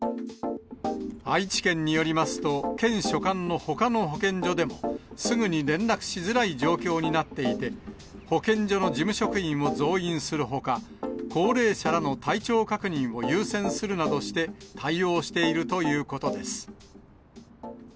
愛知県によりますと、県所管のほかの保健所でもすぐに連絡しづらい状況になっていて、保健所の事務職員を増員するほか、高齢者らの体調確認を優先するなどして対応しているということです。